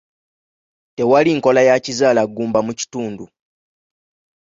Tewali nkola ya kizaalaggumba mu kitundu.